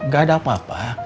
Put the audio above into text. gak ada apa apa